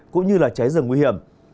cũng như cháy rừng nguy hiểm